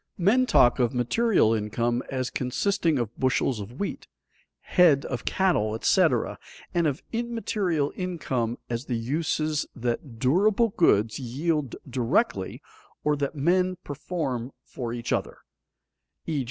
Men talk of material income as consisting of bushels of wheat, head of cattle, etc., and of immaterial income as the uses that durable goods yield directly or that men perform for each other, _e.